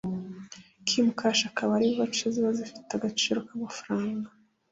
Kaymu Kash akaba ari voucher ziba zifite agaciro k’amafaranga